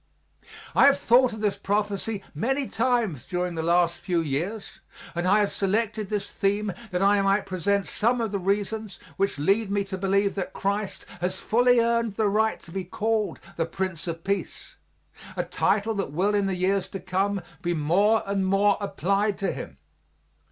I have thought of this prophecy many times during the last few years, and I have selected this theme that I might present some of the reasons which lead me to believe that Christ has fully earned the right to be called The Prince of Peace a title that will in the years to come be more and more applied to Him.